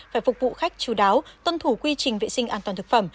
phải phục vụ khách chú đáo tuân thủ quy trình vệ sinh an toàn thực phẩm